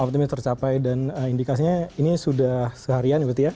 optimis tercapai dan indikasinya ini sudah seharian gitu ya